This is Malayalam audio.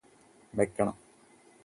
വെക്കണം